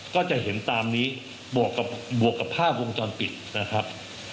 ก็จะเห็นตามนี้บวกกับบวกกับภาพวงจรปิดนะครับ